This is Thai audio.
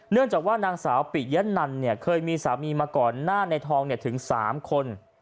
เนื่องจากว่านางสาวปิยะนันเนี่ยเคยมีสามีมาก่อนหน้าในทองถึง๓คน